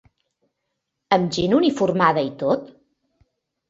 Amb gent uniformada i tot?